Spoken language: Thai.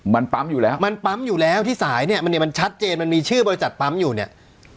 มันปั๊มอยู่แล้วมันปั๊มอยู่แล้วที่สายเนี่ยมันเนี่ยมันชัดเจนมันมีชื่อบริษัทปั๊มอยู่เนี่ย